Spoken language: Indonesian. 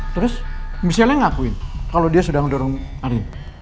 terus michelle nya ngakuin kalau dia sudah ngedorong arin